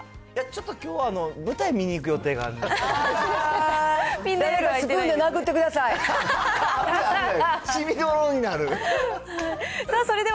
ちょっときょうは舞台見に行く予定があるんで。